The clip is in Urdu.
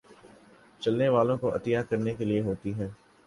چلنے والوں کوعطیہ کرنے کے لیے ہوتی ہے